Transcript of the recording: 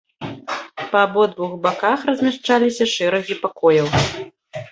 Па абодвух баках размяшчаліся шэрагі пакояў.